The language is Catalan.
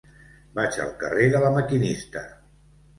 Vaig al carrer de La Maquinista.